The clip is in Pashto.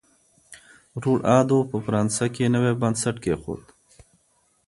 روڼ اندو په فرانسه کي نوی بنسټ کیښود.